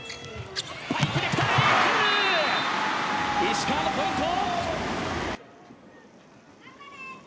石川のポイント！